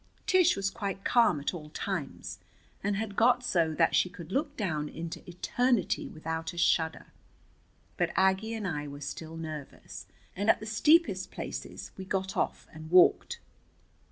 Tish was quite calm at all times, and had got so that she could look down into eternity without a shudder. But Aggie and I were still nervous, and at the steepest places we got off and walked.